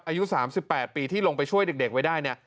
อายุ๓๘ปีที่ลงไปช่วยเด็กไว้ได้เนี่ย